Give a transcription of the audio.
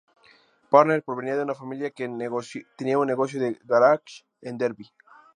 Parnell provenía de una familia que tenía un negocio de garaje en Derby.